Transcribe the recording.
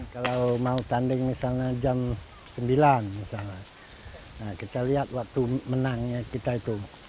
kalau mau tanding misalnya jam sembilan misalnya kita lihat waktu menangnya kita itu